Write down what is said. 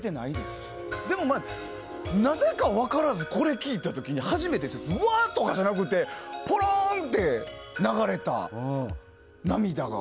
けど、なぜか分からずこれ聴いて初めて、うわーっとかじゃなくてポローンって流れた、涙が。